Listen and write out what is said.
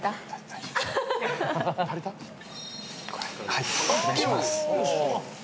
はい。